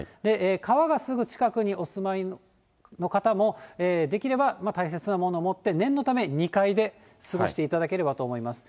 川がすぐ近くにお住まいの方も、できれば大切なものを持って、念のため２階で過ごしていただければと思います。